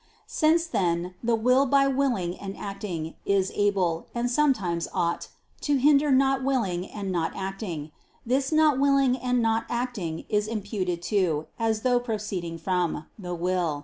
Since, then, the will by willing and acting, is able, and sometimes ought, to hinder not willing and not acting; this not willing and not acting is imputed to, as though proceeding from, the will.